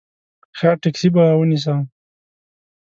ښه ټیکسي به ونیسم.